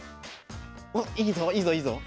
おっいいぞいいぞいいぞ！